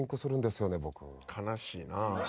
悲しいな。